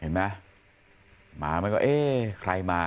เห็นมั้ยหมามันก็เอ๊ใครมา